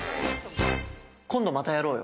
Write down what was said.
今度またやろうよ。